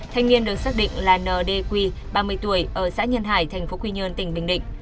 thanh niên được xác định là n d quy ba mươi tuổi ở xã nhân hải tp quy nhơn tỉnh bình định